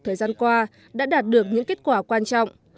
thời gian qua đã đạt được những kết quả quan trọng